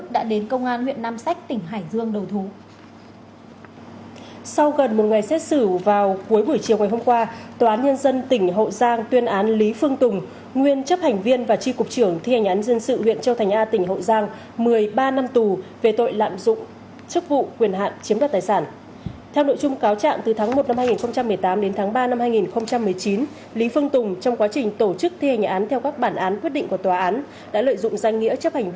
đã lợi dụng danh nghĩa chấp hành viên tri cục trưởng thi hành án dân sự huyện châu thành a